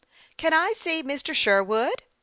" Can I see Mr. Sherwood ?